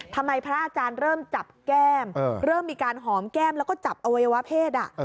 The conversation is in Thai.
พระอาจารย์เริ่มจับแก้มเริ่มมีการหอมแก้มแล้วก็จับอวัยวะเพศ